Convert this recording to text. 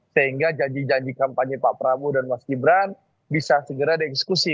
sehingga janji janji kampanye pak prabowo dan mas gibran bisa segera dieksekusi